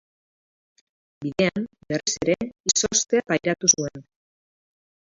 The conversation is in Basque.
Bidean, berriz ere, izoztea pairatu zuen.